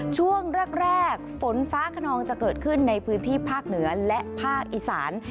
ช่วงแรกฝนฟ้าขนองจะเกิดขึ้นในพื้นที่ภาคเหนือและภาคอีสาน